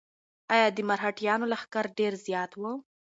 ایا د مرهټیانو لښکر ډېر زیات و؟